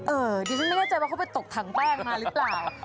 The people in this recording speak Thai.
ดิฉันไม่แน่ใจว่าเขาไปตกถังแป้งมาหรือเปล่า